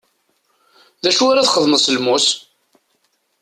D acu ara txedmeḍ s lmus?